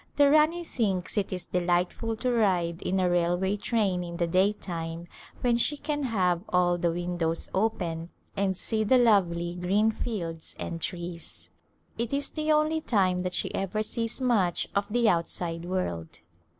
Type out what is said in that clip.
The Rani thinks it is delightful to ride in a railway train in the daytime when she can have all the windows open and see the lovely green fields and trees. It is the only time that she ever sees much of the outside world.